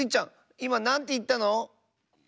いまなんていったの？